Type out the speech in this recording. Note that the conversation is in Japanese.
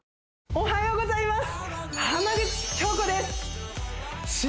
おはようございます